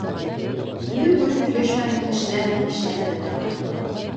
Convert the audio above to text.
Үҙе күреп һөйләшмәгән кешеләр менән эшләп тә тормай.